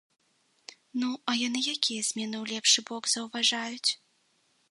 Ну, а яны якія змены ў лепшы бок заўважаюць?